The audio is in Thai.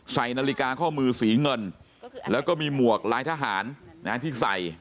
ใส่นาฬิกาข้อมือสีเงินแล้วก็มีหมวกลายทหารที่ใส่